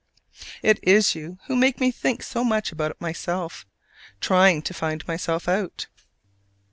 It is you who make me think so much about myself, trying to find myself out.